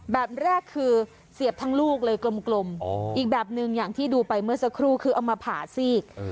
แบบแรกคือเสียบทั้งลูกเลยกลมอีกแบบหนึ่งอย่างที่ดูไปเมื่อสักครู่คือเอามาผ่าซีก